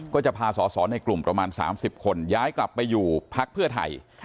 ก็จะพาสอสอในกลุ่มประมาณ๓๐คนย้ายกลับไปอยู่พักเพื่อไทย